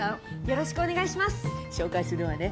よろしくお願いします！